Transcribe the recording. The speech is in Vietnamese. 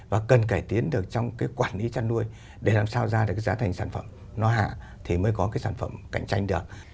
và cần cải tiến được trong cái quản lý chăn nuôi để làm sao ra được cái giá thành sản phẩm nó hạ thì mới có cái sản phẩm cạnh tranh được